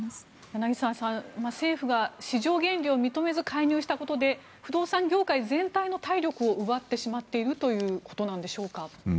柳澤さん、政府が市場原理を認めず介入したことで不動産業界全体の体力を奪ってしまっているということなんでしょうか。